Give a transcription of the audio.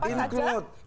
semuanya apa saja